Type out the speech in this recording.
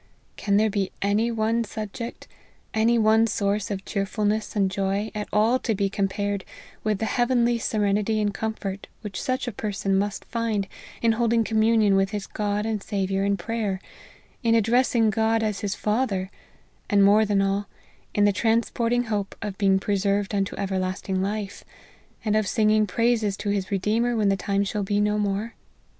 Can there be any one subject, any one source of cheerfulness and joy, at all to be compared with the heavenly serenity and comfort which such a person must find in holding communion with his God and Saviour in prayer ; in addressing God as his Father, and more than all, in the transporting hope of being preserved unto everlasting life, and of singing praises to his Re deemer when time shall be no more